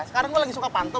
sekarang gue lagi suka pantau